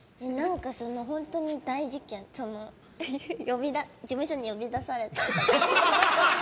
本当に大事件事務所に呼び出されちゃったとか。